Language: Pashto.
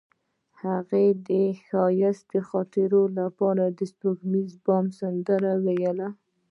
هغې د ښایسته خاطرو لپاره د سپوږمیز بام سندره ویله.